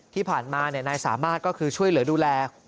ที่ผ่านมานายสามารถก็คือช่วยเหลือดูแล